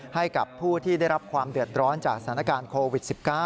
ให้กับผู้ที่ได้รับความเดือดร้อนจากสถานการณ์โควิด๑๙